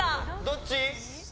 どっち？